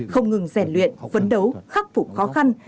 không ngừng rèn luyện phấn đấu khắc phục khó khăn